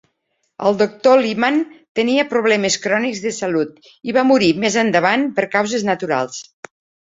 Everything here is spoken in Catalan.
El Dr. Limann tenia problemes crònics de salut i va morir més endavant per causes naturals.